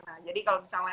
nah jadi kalau misalnya